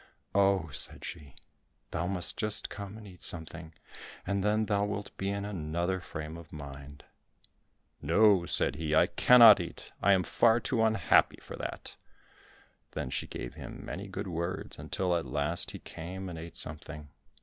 "Oh," said she, "thou must just come and eat something, and then thou wilt be in another frame of mind." "No," said he, "I cannot eat, I am far too unhappy for that!" Then she gave him many good words until at last he came and ate something.